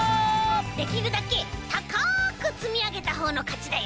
できるだけたかくつみあげたほうのかちだよ。